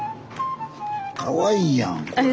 かわいいやんこれ。